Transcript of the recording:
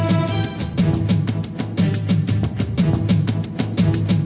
เพลงที่๓นะครับมูลค่า๔๐๐๐๐บาท